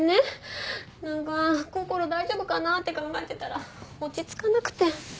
なんかこころ大丈夫かなって考えてたら落ち着かなくて。